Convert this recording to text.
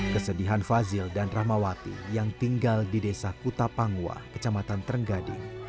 kesedihan fazil dan rahmawati yang tinggal di desa kutapangwa kecamatan trenggading